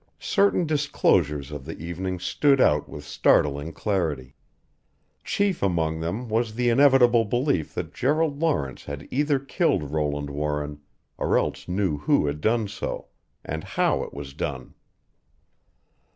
Certain disclosures of the evening stood out with startling clarity. Chief among them was the inevitable belief that Gerald Lawrence had either killed Roland Warren or else knew who had done so and how it was done.